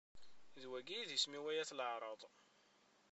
D wagi i d isem-iw ay at leɛraḍ.